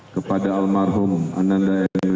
kepada al mahum ananda emelkan mumtaz